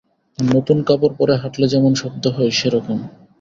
নতুন কাপড় পরে হাঁটলে যেমন শব্দ হয়, সে-রকম।